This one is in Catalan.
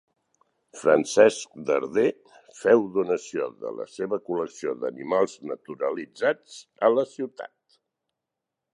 Francesc Darder féu donació de la seva col·lecció d'animals naturalitzats a la ciutat.